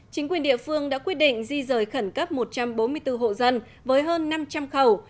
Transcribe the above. chính quyền địa phương đã quyết định di rời khẩn cấp một trăm bốn mươi bốn hộ dân với hơn năm trăm linh khẩu